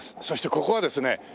そしてここはですね